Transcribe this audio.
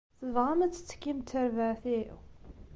Tebɣam ad tettekkim d terbaɛt-iw?